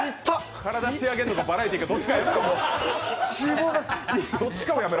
体仕上げるか、バラエティーか、どっちかをやめろ。